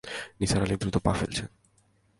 নিসার আলি দ্রুত পা ফেলছেন।